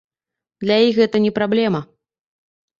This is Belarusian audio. Для іх гэта не праблема.